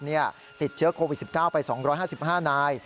ติดเชื้อโควิด๑๙ไป๒๕๕นาย